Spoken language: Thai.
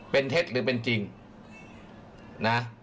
เป็นเท็จหรือเป็นจริงนะ